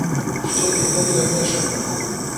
شتێکی تر لە مێشکمە.